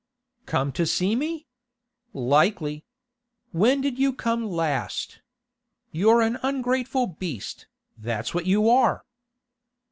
'Come to see me! Likely! When did you come last? You're a ungrateful beast, that's what you are!